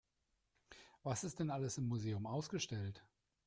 Was ist denn alles im Museum ausgestellt?